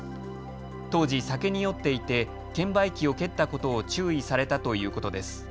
当時、酒に酔っていて券売機を蹴ったことを注意されたということです。